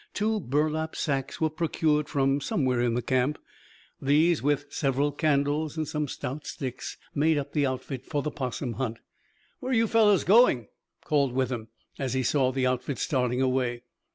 Two burlap sacks were procured from somewhere in the camp. These, with several candles and some stout sticks, made up the outfit for the 'possum hunt. "Where are you fellows going?" called Withem as he saw the outfit starting away.